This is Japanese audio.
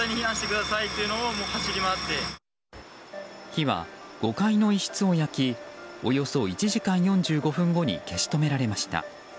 火は５階の一室を焼きおよそ１時間４５分後に消し止められました。